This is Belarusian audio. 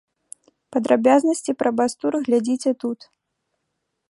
Падрабязнасці пра бас-тур глядзіце тут.